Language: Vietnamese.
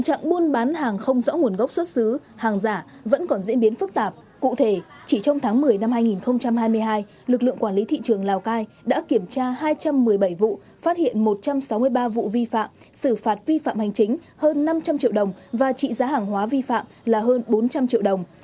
trong buôn bán hàng không rõ nguồn gốc xuất xứ hàng giả vẫn còn diễn biến phức tạp cụ thể chỉ trong tháng một mươi năm hai nghìn hai mươi hai lực lượng quản lý thị trường lào cai đã kiểm tra hai trăm một mươi bảy vụ phát hiện một trăm sáu mươi ba vụ vi phạm xử phạt vi phạm hành chính hơn năm trăm linh triệu đồng và trị giá hàng hóa vi phạm là hơn bốn trăm linh triệu đồng